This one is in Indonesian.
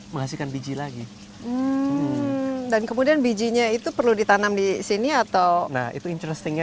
menghasilkan biji lagi dan kemudian bijinya itu perlu ditanam di sini atau nah itu interestingnya